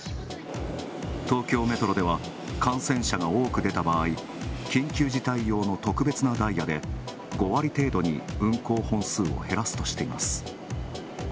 東京メトロでは、感染者が多く出た場合、緊急事態用の特別なダイヤで５割程度に運行本数を減らすとしています。